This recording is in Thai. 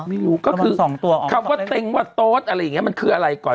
ไม่รู้ก็คือคำว่าเต็งว่าโต๊ดอะไรอย่างเงี้มันคืออะไรก่อน